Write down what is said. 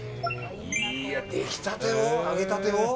出来たてを、揚げたてを。